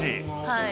はい。